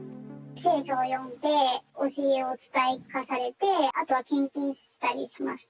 聖書を読んで、教えを伝え聞かされて、あとは献金したりします。